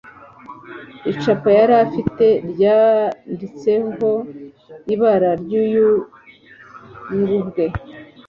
Icupa yari afite ryanditseho ibara ry'umuyugubwe.